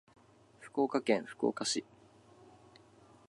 福岡県福岡市